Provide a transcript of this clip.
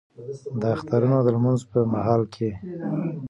د اخترونو د لمونځ په مهال کې